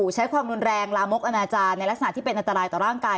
ใช้ความรุนแรงลามกอนาจารย์ในลักษณะที่เป็นอันตรายต่อร่างกาย